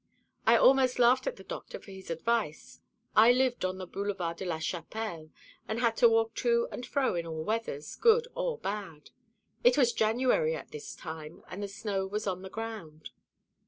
I almost laughed at the doctor for his advice. I lived on the Boulevard de la Chapelle, and had to walk to and fro in all weathers, good or bad. It was January at this time, and the snow was on the ground."